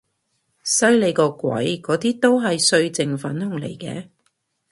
犀利個鬼，嗰啲都係歲靜粉紅嚟嘅